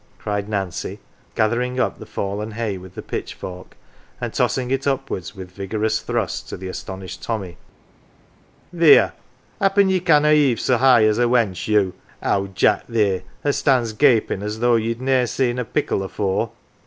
"" cried Nancy, gathering up the fallen hay with the pitchfork, and tossing it upwards with vigorous thrusts, to the astonished Tommy. " Theer ! happen ye canna heave so high as a wench, you, owd Jack theer, as stands gapin 1 as though ye'd ne'er seen a pikel afore?